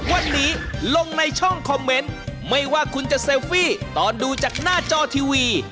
วันนี้ลงในช่องคอมเมนต์ไม่ว่าคุณจะเซลฟี่ตอนดูจากหน้าจอทีวี